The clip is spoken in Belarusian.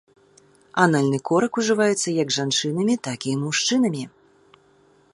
Анальны корак ужываецца як жанчынамі, так і мужчынамі.